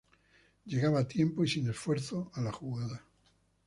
Llegaba a tiempo y sin esfuerzo a la jugada.